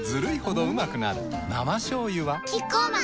生しょうゆはキッコーマン